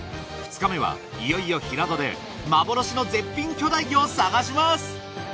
２日目はいよいよ平戸で幻の絶品巨大魚を探します！